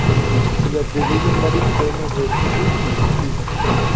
Se le atribuyen varios poemas del Chu Ci.